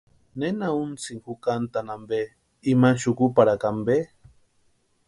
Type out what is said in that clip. ¿Nena untsini jukantani ampe, imani xukuparhakua ampe?